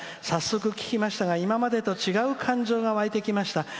早速聴きましたが今までと違う感情が湧きました。